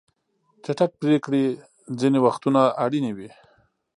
چټک پریکړې ځینې وختونه اړینې وي.